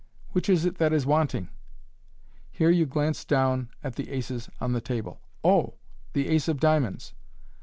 Which is it that is wanting ?" Here you glance down at the aces on the table. " Oh ! the ace of diamonds.